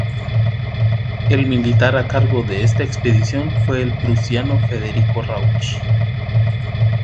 El militar a cargo de esta expedición fue el prusiano Federico Rauch.